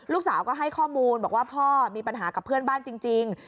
ลูกสาวก็ให้ข้อมูลบอกว่าพ่อมีปัญหากับเพื่อนบ้านจริง